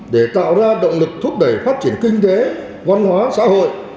để tạo ra động lực thúc đẩy phát triển kinh tế văn hóa xã hội